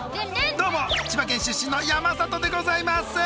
どうも千葉県出身の山里でございます。